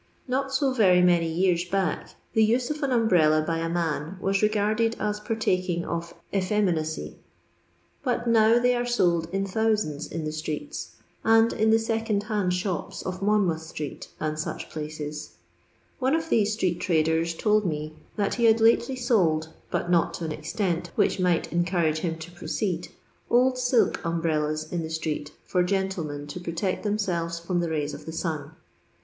Not so very many years back the use of an umbrella by a man Was regarded as partaking of effeminacy, but now they are sold in thousands in the streets, and in the second hand shops of Monmouth street and such places. One of these street traders told me that he had lately sold, but not to an extent which might encourage him to proceed, old silk umbrellas in the street for genUemen to protect themselves from the rays of the sun.